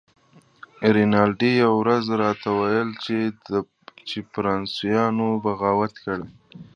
رینالډي یوه ورځ راته وویل چې فرانسویانو بغاوت کړی.